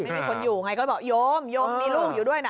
ไม่มีคนอยู่ไงก็บอกโยมโยมมีลูกอยู่ด้วยนะ